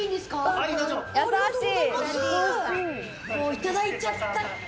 いただいちゃった。